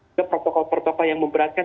ada protokol protokol yang memberatkan